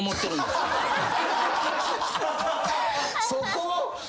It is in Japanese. そこ？